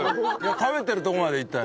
食べてるとこまではいったよ。